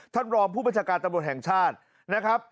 ท่านรองผู้บัญชาการตำรวจแห่งชาตินะครับ